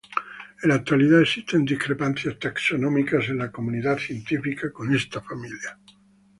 En la actualidad existen discrepancias taxonómicas en la comunidad científica con esta familia.